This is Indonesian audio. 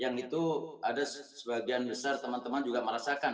yang itu ada sebagian besar teman teman juga merasakan